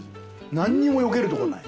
なんにもよけるとこない。